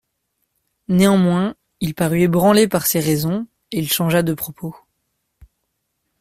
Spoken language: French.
Néanmoins il parut ébranlé par ces raisons et il changea de propos.